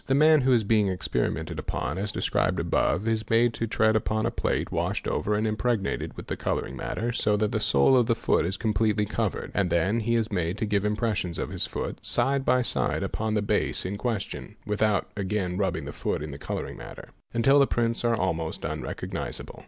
The man who is being experimented upon as described above is made to tread upon a plate washed over and impregnated with the colouring matter, so that the sole of the foot is completely covered, and then he is _made to give impressions of his foot, side by side, upon the base in question (without again rubbing the foot in the colouring matter), until the prints are almost unrecognisable.